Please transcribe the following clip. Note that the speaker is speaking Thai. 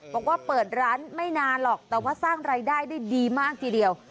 บอกว่าเปิดร้านไม่นานหรอกแต่ว่าสร้างรายได้ได้ดีมากทีเดียว